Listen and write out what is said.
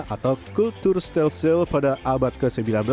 atau kultur stelsel pada abad ke sembilan belas